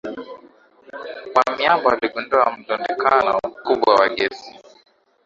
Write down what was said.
wa miamba waligundua mlundikano mkubwa wa gesi